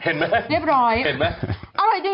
เห็นไหมเห็นไปเห็นไหม